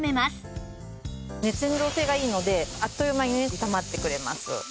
熱伝導性がいいのであっという間に炒まってくれます。